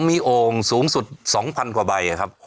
มีโอ่งสูงสุด๒๐๐๐กว่าใบครับ